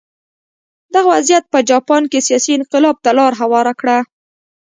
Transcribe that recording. دغه وضعیت په جاپان کې سیاسي انقلاب ته لار هواره کړه.